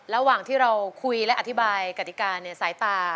ระหว่างที่เราคุยและอธิบายกติกาเนี่ยสายตา